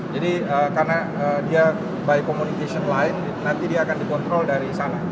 jadi karena dia by communication line nanti dia akan dikontrol dari sana